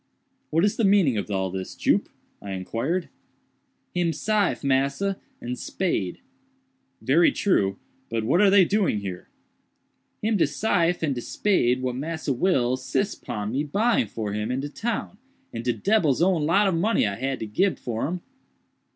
"What is the meaning of all this, Jup?" I inquired. "Him syfe, massa, and spade." "Very true; but what are they doing here?" "Him de syfe and de spade what Massa Will sis pon my buying for him in de town, and de debbil's own lot of money I had to gib for 'em."